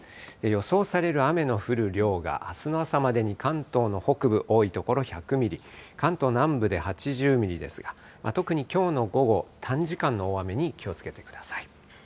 予想される雨の降る量が、あすの朝までに関東の北部、多い所１００ミリ、関東南部で８０ミリですが、特にきょうの午後、短時間の大雨に気をつけてください。